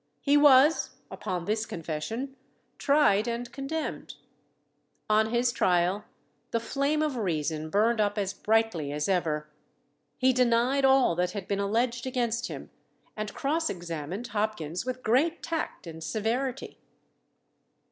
He was, upon this confession, tried and condemned. On his trial, the flame of reason burned up as brightly as ever. He denied all that had been alleged against him, and cross examined Hopkins with great tact and severity.